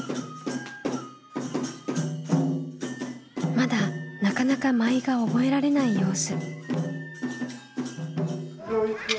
まだなかなか舞が覚えられない様子。